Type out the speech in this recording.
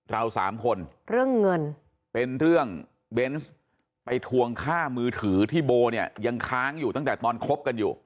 เราสามคนเรื่องเงินเป็นเรื่องเบนส์ไปทวงค่ามือถือที่โบเนี่ยยังค้างอยู่ตั้งแต่ตอนคบกันอยู่